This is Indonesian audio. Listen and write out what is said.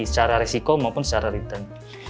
secara resiko maupun secara return